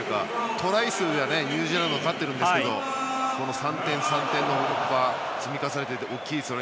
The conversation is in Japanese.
トライ数ではニュージーランドは勝っているんですが３点、３点の積み重ねは大きいですね。